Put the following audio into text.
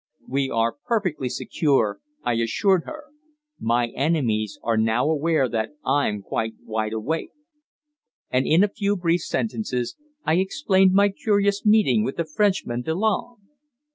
"We are perfectly secure," I assured her. "My enemies are now aware that I'm quite wide awake." And in a few brief sentences I explained my curious meeting with the Frenchman Delanne.